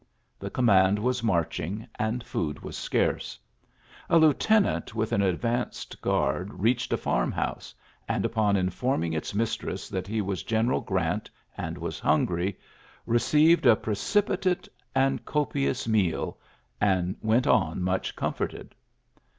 The command was marching, and food was scarce. A lieutenant with an advance guard reached a farm house, and, upon informing its mistress that he was Greneral Grant and was hungry, re ceived a precipitate and copious meal, ULYSSES S. GEANT 45 and went on mncli comforted.